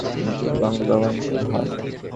তিনি পূর্ব বাংলার গভর্নর হন।